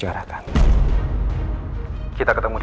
dari rumah gerebelas